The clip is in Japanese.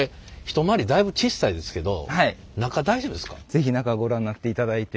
是非中をご覧になっていただいて。